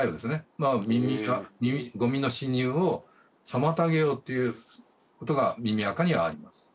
まあゴミの侵入を妨げようっていうことが耳アカにはあります